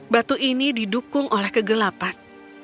batu ini didukung oleh kegelapan